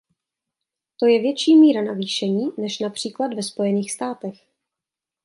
To je větší míra navýšení než například ve Spojených státech.